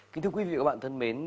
kính thưa quý vị và các bạn thân mến